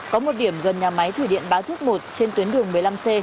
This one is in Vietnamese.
có một điểm gần nhà máy thủy điện bá thước một trên tuyến đường một mươi năm c